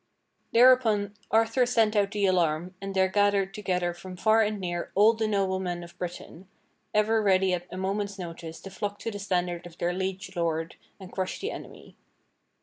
Thereupon Arthur sent out the alarm, and there gathered to gether from far and near all the nobleman of Britain, ever ready at a moment's notice to flock to the standard of their Leige Lord and crush the enemy.